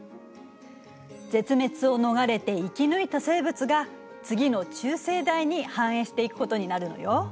絶滅を逃れて生き抜いた生物が次の中生代に繁栄していくことになるのよ。